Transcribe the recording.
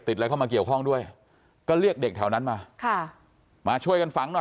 ติดก็มาเกี่ยวค้องด้วยก็เรียกเด็กแถวนั้นมามาช่วยกันฟัง